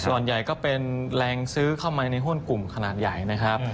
ส่วนใหญ่ก็เป็นแรงซื้อเข้ามาในหุ้นกลุ่มขนาดใหญ่นะครับ